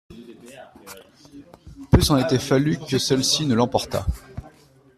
Peu s'en était fallu que celle-ci ne l'emportât.